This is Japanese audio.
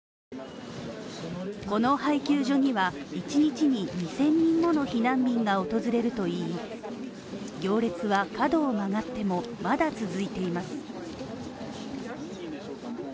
この配給所には一日に２０００人もの避難民が訪れるといい行列は角を曲がってもまだ続いています。